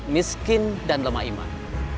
miskin dan lemah iman